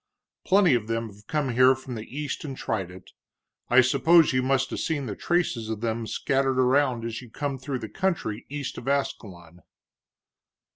Plenty of them have come here from the East and tried it I suppose you must 'a' seen the traces of them scattered around as you come through the country east of Ascalon."